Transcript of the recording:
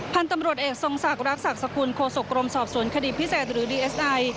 พันธุ์ตำรวจเอกทรงศักดิ์ศักดิ์สกุลโคศกรมสอบสวนคดีพิเศษหรือดีเอสไอ